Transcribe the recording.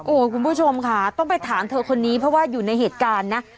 คุณผู้ชมค่ะต้องไปถามเธอคนนี้เพราะว่าอยู่ในเหตุการณ์นะ